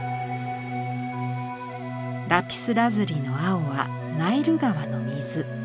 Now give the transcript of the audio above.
ラピスラズリの青はナイル川の水。